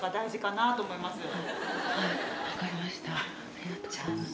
ありがとうございます